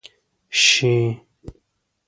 شې.